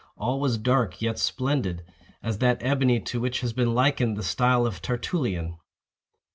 All was dark yet splendid—as that ebony to which has been likened the style of Tertullian.